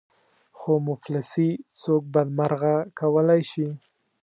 خو مفلسي څوک بدمرغه کولای شي.